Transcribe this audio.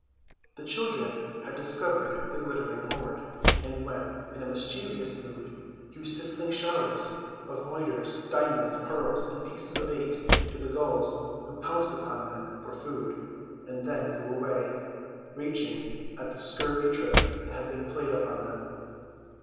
The children had discovered the glittering hoard, and when in a mischievous mood used to fling showers of moidores, diamonds, pearls and pieces of eight to the gulls, who pounced upon them for food, and then flew away, raging at the scurvy trick that had been played upon them.